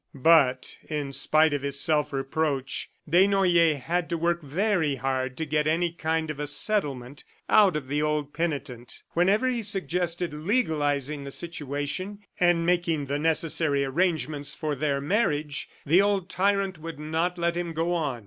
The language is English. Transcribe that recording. But in spite of his self reproach, Desnoyers had to work very hard to get any kind of a settlement out of the old penitent. Whenever he suggested legalizing the situation and making the necessary arrangements for their marriage, the old tyrant would not let him go on.